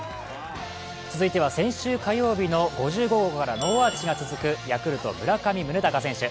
続いては先週火曜日の５５号からノーアーチが続くヤクルト・村上宗隆選手。